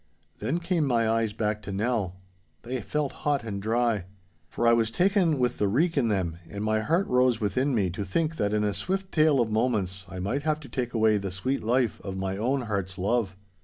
Then came my eyes back to Nell. They felt hot and dry. For I was taken with the reek in them, and my heart rose within me to think that in a swift tale of moments I might have to take away the sweet life from my own heart's love.